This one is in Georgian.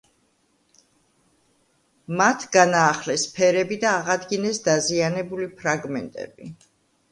მათ განაახლეს ფერები და აღადგინეს დაზიანებული ფრაგმენტები.